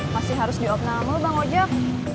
masih harus diopnamo bang ojak